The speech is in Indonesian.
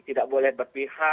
as tidak boleh berpihak